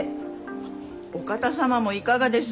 あっお方様もいかがです？